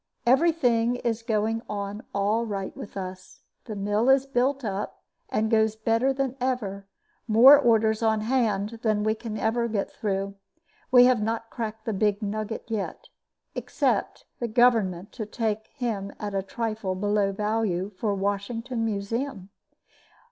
Every thing is going on all right with us. The mill is built up, and goes better than ever; more orders on hand than we can get through. We have not cracked the big nugget yet. Expect the government to take him at a trifle below value, for Washington Museum.